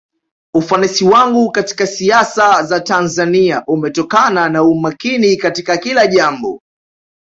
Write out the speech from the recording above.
ufanisi wangu katika siasa za tanzania umetokana na umakini katika kila jambo